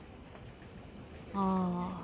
ああ。